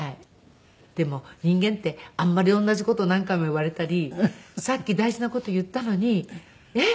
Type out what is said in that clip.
でも人間ってあんまり同じ事を何回も言われたりさっき大事な事言ったのにえっ？